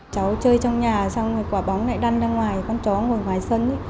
cháu chơi trong nhà xong thì quả bóng lại đăn ra ngoài con chó ngồi ngoài sân